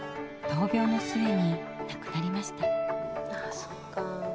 闘病の末になくなりました。